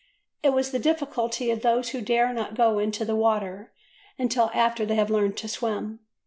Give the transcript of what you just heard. It was the difficulty of those who dare not go into the water until after they have learnt to swim.